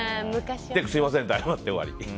すみませんって謝って終わり。